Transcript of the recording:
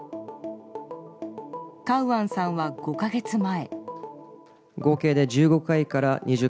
カウアンさんは、５か月前。